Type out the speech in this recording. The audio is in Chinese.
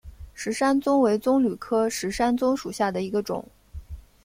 石山棕为棕榈科石山棕属下的一个种。